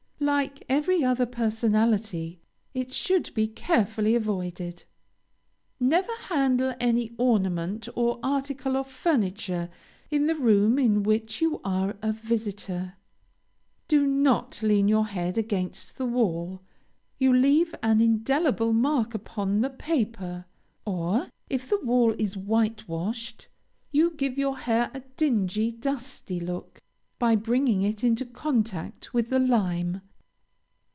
Like every other personality, it should be carefully avoided. Never handle any ornament or article of furniture in the room in which you are a visitor. Do not lean your head against the wall. You leave an indelible mark upon the paper, or, if the wall is whitewashed, you give your hair a dingy, dusty look, by bringing it into contact with the lime.